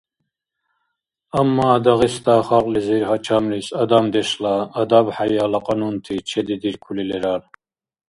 Амма Дагъиста халкьлизир гьачамлис адамдешла, адаб-хӀяяла кьанунти чедидиркули лерал.